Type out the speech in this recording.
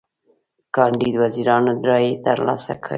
کاندید وزیرانو رایی تر لاسه کولې.